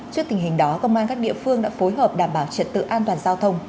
trước tình hình đó công an các địa phương đã phối hợp đảm bảo trật tự an toàn giao thông